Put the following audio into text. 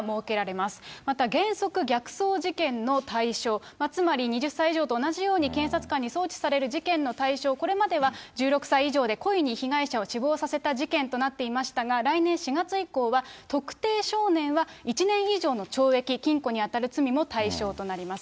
また原則逆送事件の対象、つまり２０歳以上と同じように、検察官に送致される事件の対象、これまでは１６歳以上で故意に被害者を死亡させた事件となっていましたが、来年４月以降は、特定少年は１年以上の懲役・禁錮に当たる罪も対象となります。